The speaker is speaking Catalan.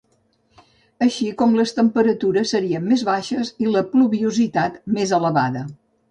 Així com les temperatures serien més baixes i la pluviositat més elevada.